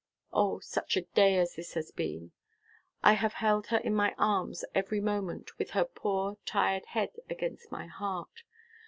O, such a day as this has been! I have held her in my arms every moment, with her poor, tired head against my heart.